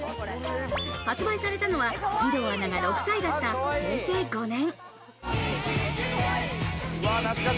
発売されたのは義堂アナが６歳だった平成５年。